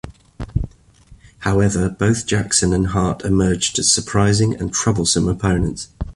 However, both Jackson and Hart emerged as surprising, and troublesome, opponents.